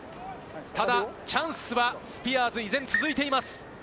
ただ、チャンスはスピアーズ、依然続いています。